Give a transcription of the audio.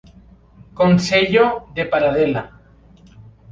Concello de Paradela.